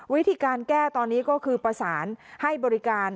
วิธีการแก้ตอนนี้ก็คือประสานให้บริการ